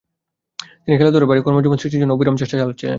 তিনি খেলাধূলার বাইরে কর্মজীবন সৃষ্টির জন্য অবিরাম চেষ্টা চালাচ্ছিলেন।